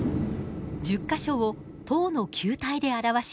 １０か所を１０の球体で表します。